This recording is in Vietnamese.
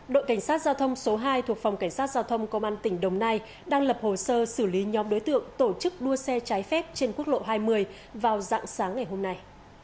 đội cảnh sát giao thông số hai thuộc phòng cảnh sát giao thông công an tỉnh đồng nai đang lập hồ sơ xử lý nhóm đối tượng tổ chức đua xe trái phép trên quốc lộ hai mươi vào dạng sáng ngày hôm nay